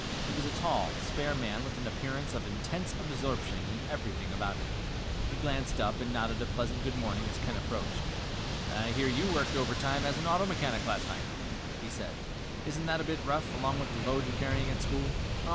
He was a tall, spare man with an appearance of intense absorption in everything about him. He glanced up and nodded a pleasant good morning as Ken approached. "I hear you worked overtime as an auto mechanic last night," he said. "Isn't that a bit rough, along with the load you're carrying at school?"